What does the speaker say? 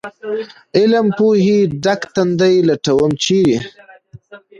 علم پوهې ډک تندي لټوم ، چېرې ؟